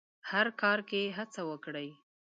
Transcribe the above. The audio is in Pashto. هر کار کې هڅه وکړئ.